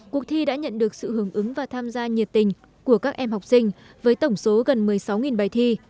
cuộc thi đã nhận được sự hưởng ứng và tham gia nhiệt tình của các em học sinh với tổng số gần một mươi sáu bài thi